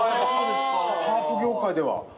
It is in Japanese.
ハープ業界では。